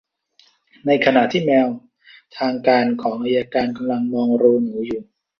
ในขณะที่แมวทางการของอัยการกำลังมองรูหนูอยู่